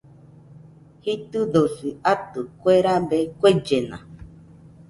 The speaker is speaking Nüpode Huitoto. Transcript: Jitɨdosi atɨ, kue rabe kuellena